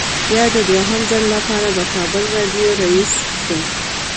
بیا د دویم ځل لپاره د کابل راډیو رییس شو.